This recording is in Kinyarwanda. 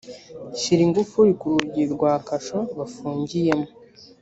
shyira ingufuri ku rugi rwa kasho bafungiyemo